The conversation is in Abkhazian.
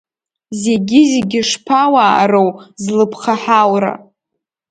Зегьы-зегьы шԥауаароу, злыԥхаҳаура!